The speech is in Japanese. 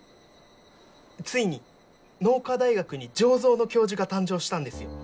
ついに農科大学に醸造の教授が誕生したんですよ。